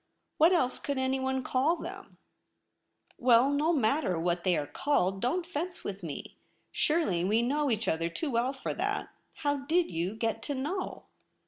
* What else could anyone call them ?'' Well, no matter what they are called ; don't fence with me. Surely we know each other too well for that. How did you get to know